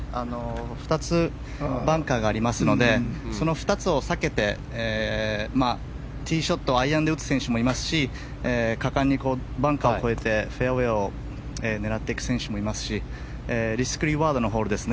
２つバンカーがありますのでその２つを避けてティーショットをアイアンで打つ選手もいますし果敢にバンカーを越えてフェアウェーを狙っていく選手もいますしリスクリワードのホールですね